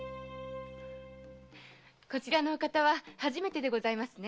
こちらのお方は初めてでございますね？